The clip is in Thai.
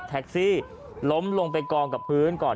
หัวหลักหัวหลัก